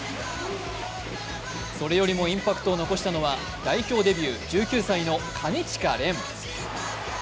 それよりもインパクトを残したのは代表デビュー、１９歳の金近廉。